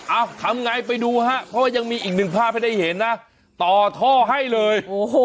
อ่ะทำไงไปดูฮะเพราะว่ายังมีอีกหนึ่งภาพให้ได้เห็นนะต่อท่อให้เลยโอ้โห